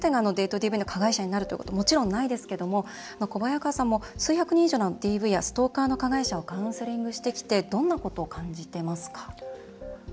ＤＶの加害者になるということもちろんないですが小早川さんも数百人以上のＤＶやストーカーの加害者をカウンセリングしてきてどんなことを感じていますか？